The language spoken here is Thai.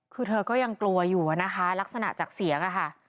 คือเธอก็ยังกลัวอยู่นะคะลักษณะจากเสียงอะค่ะ